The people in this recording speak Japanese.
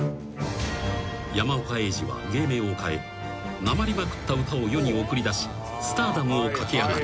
［山岡英二は芸名を変えなまりまくった歌を世に送り出しスターダムを駆け上がる。